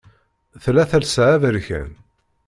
Tella telsa aberkan.